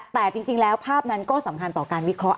แต่จริงแล้วภาพนั้นก็สำคัญต่อการวิเคราะห